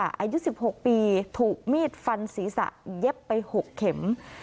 อายุ๑๖ปีถูกมีดฟันศีรษะเย็บไป๖เข็ม